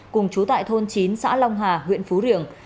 cùng chú tại thôn chín xã long hà huyện phú riềng